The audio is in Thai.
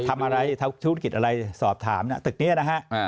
ทำอะไรถ้าธุรกิจอะไรสอบถามน่ะตึกเนี้ยนะฮะอ่า